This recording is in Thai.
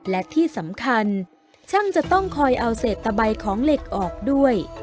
และที่สำคัญช่างจะต้องคอยเอาเศษตะใบของเหล็กออกด้วย